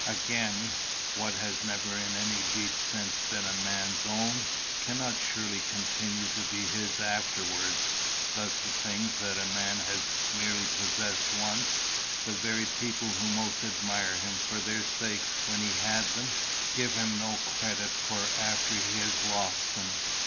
Again, what has never in any deep sense been a man's own, cannot surely continue to be his afterwards. Thus the things that a man has merely possessed once, the very people who most admired him for their sakes when he had them, give him no credit for after he has lost them.